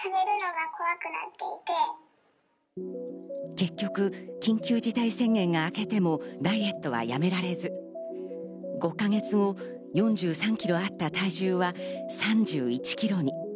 結局、緊急事態宣言が明けてもダイエットはやめられず、５か月後、４３ｋｇあった体重は３１ｋｇに。